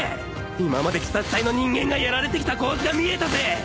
今まで鬼殺隊の人間がやられてきた構図が見えたぜ